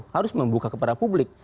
harus membuka kepada publik